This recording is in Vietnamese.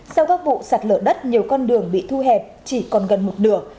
sau các vụ sạt lở đất nhiều con đường bị thu hẹp chỉ còn gần một nửa